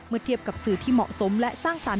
เทียบกับสื่อที่เหมาะสมและสร้างสรรค